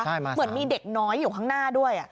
เหมือนมีเด็กน้อยอยู่ข้างหน้าด้วย